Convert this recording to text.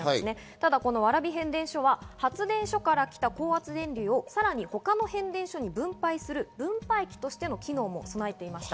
ただ、この蕨変電所は発電所から来た高圧電流をさらに他の変電所に分配する分配器としての機能も備えていました。